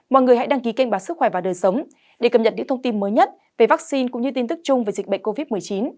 mọi người hãy đăng ký kênh báo sức khỏe và đời sống để cập nhật những thông tin mới nhất về vaccine cũng như tin tức chung về dịch bệnh covid một mươi chín